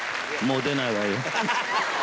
もう出ないわよ。